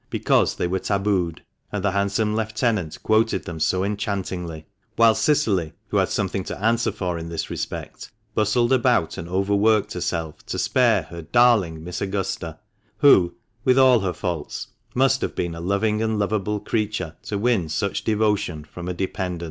because they were tabooed, and the handsome lieutenant quoted them so enchantingly, whilst Cicily, who had something to answer for in this respect, bustled about and overworked herself to spare her darling Miss Augusta, who, with all her faults, must have been a loving and lovable creature to win such devotion from a dependent.